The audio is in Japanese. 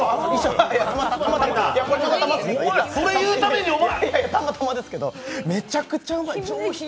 これ、たまたまですけどめちゃくちゃうまい。